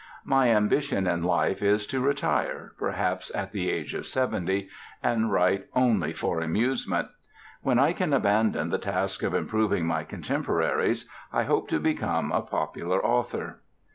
"My ambition in life is to retire perhaps at the age of seventy and write only for amusement. When I can abandon the task of improving my contemporaries, I hope to become a popular author."